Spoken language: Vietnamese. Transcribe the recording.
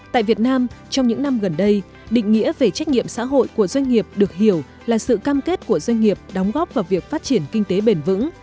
tại việt nam trong những năm gần đây định nghĩa về trách nhiệm xã hội của doanh nghiệp được hiểu là sự cam kết của doanh nghiệp đóng góp vào việc phát triển kinh tế bền vững